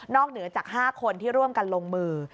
เหนือจาก๕คนที่ร่วมกันลงมือ